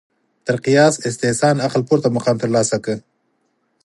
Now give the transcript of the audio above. تر قیاس استحسان عقل پورته مقام ترلاسه کړ